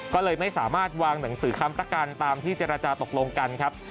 ก็เลยไม่สามารถวางหนังสือค้ำประกันตามที่เจรจาตกลงกันครับ